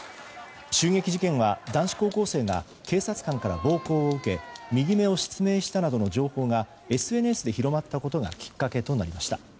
襲撃事件は男子高校生が警察官から暴行を受け右目を失明したなどの情報がＳＮＳで広まったことがきっかけとなりました。